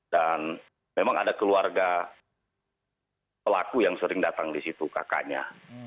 dan memang ada keluarga pelaku yang sering datang di situ kakaknya